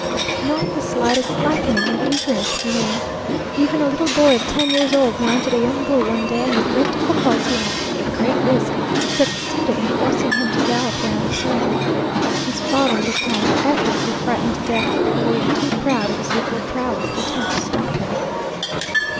Not the slightest slackening in the eagerness of the men. Even a little boy of ten years old mounted a young bull one day, and with great difficulty and at a great risk succeeded in forcing him to gallop round the circle. His father looked on, evidently frightened to death for the boy, yet too proud of his youthful prowess to attempt to stop him.